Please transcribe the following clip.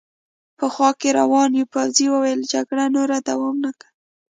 په خوا کې روان یوه پوځي وویل: جګړه نور دوام نه کوي.